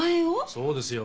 そうですよ。